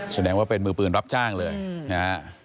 แสดงว่าเป็นมือปืนรับจ้างเลยนะฮะ